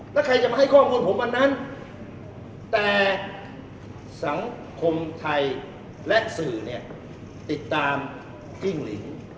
แล้วใครจะมาให้ข้อมูลผมวันนั้นแต่สังคมไทยและสื่อเนี่ยติดตามกิ้งหลิน